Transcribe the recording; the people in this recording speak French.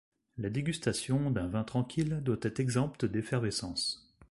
La dégustation d'un vin tranquille doit être exempte d’effervescence.